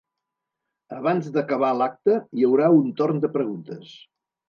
Abans d'acabar l'acte hi haurà un torn de preguntes.